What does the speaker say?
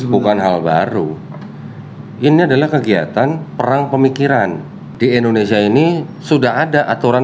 bukan hal baru ini adalah kegiatan perang pemikiran di indonesia ini sudah ada aturan